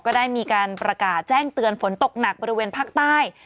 ก็ได้มีการประกาศแจ้งเตือนฝนตกหนักบริเวณภาคใต้